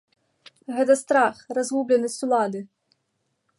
Гэта страх, разгубленасць улады!